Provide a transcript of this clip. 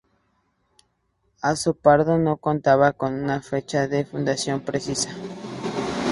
Azopardo no contaba con una fecha de fundación precisa.